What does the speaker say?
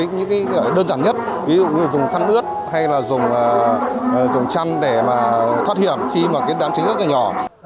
những cái đơn giản nhất ví dụ như là dùng khăn ướt hay là dùng chăn để mà thoát hiểm khi mà cái đám cháy rất là nhỏ